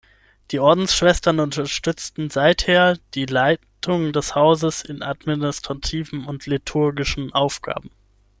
Die Ordensschwestern unterstützten seither die Leitung des Hauses in administrativen und liturgischen Aufgaben.